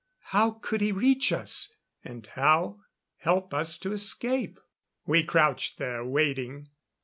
How could he reach us? And how help us to escape? We crouched there, waiting.